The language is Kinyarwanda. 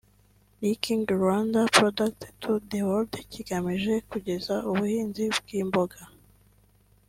Linking Rwanda Products to The World’ kigamije kugeza ubuhinzi bw’imboga